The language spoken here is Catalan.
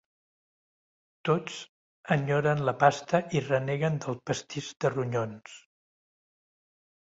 Tots enyoren la pasta i reneguen del pastís de ronyons.